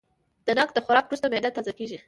د ناک د خوراک وروسته معده تازه کېږي.